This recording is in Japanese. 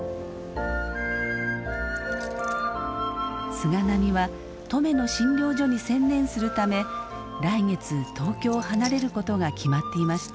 菅波は登米の診療所に専念するため来月東京を離れることが決まっていました。